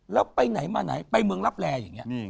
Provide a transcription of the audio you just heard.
แล้วไปไหนมาไหนไปเมืองรับแร่อย่างนี้